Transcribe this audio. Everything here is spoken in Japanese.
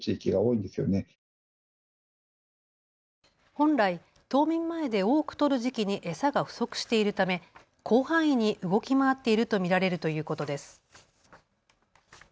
本来、冬眠前で多く取る時期に餌が不足しているため広範囲に動き回っていると見られるということです。